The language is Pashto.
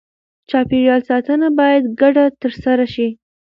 چاپېریال ساتنه باید ګډه ترسره شي.